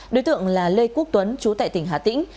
đối tượng là lê quốc tuấn chú tại tỉnh hà tĩnh